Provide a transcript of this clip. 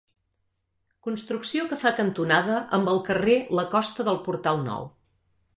Construcció que fa cantonada amb el carrer la costa del Portal Nou.